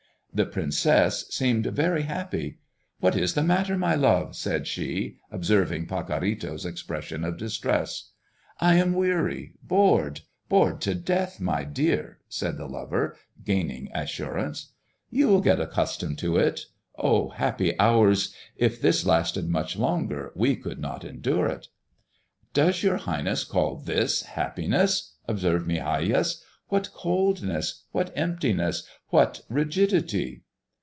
The princess seemed very happy. "What is the matter, my love?" said she, observing Pacorrito's expression of distress. "I am weary, bored, bored to death, my dear," said the lover, gaining assurance. "You will get accustomed to it. O happy hours! If this lasted much longer, we could not endure it!" "Does your Highness call this happiness?" observed Migajas. "What coldness, what emptiness, what rigidity!"